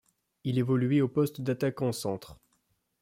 Il évoluait au poste d'attaquant centre.